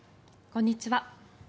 こんにちは。